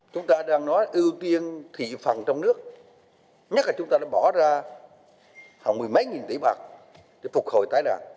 chúng ta đang nói ưu tiên thị phần trong nước nhất là chúng ta đã bỏ ra khoảng mười mấy nghìn tỷ bạc để phục hồi tái đàn